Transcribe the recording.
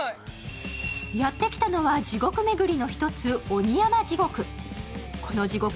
やってきたのは、地獄めぐりの一つ、鬼山地獄。